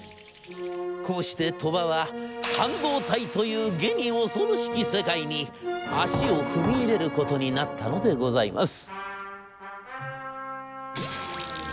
こうして鳥羽は半導体というげに恐ろしき世界に足を踏み入れることになったのでございます」。